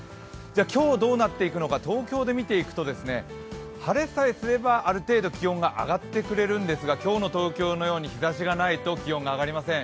今日どうなっていくのか、東京で見ていくと晴れさえすればある程度、気温が上がってくれるんですが今日の東京のように日ざしがないと気温が上がりません。